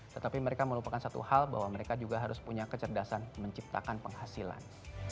tetapi mereka melupakan satu hal bahwa mereka juga harus punya kecerdasan menciptakan penghasilan